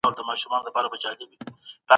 اقتصادي ازادي د پانګوالۍ نظام یوه ځانګړتیا ده.